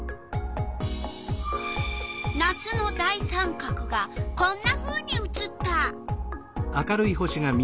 夏の大三角がこんなふうに写った！